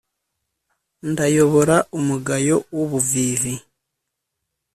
Ndayobora umugayo w’ubuvivi